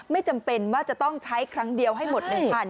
ไม่จำเป็นว่าจะต้องใช้ครั้งเดียวให้หมด๑๐๐